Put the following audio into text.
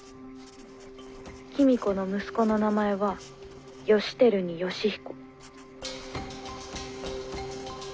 公子の息子の名前は義輝に義彦。